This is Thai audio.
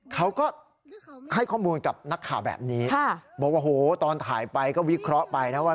เขาก็ให้ข้อมูลกับนักข่าวแบบนี้บอกว่าโหตอนถ่ายไปก็วิเคราะห์ไปนะว่า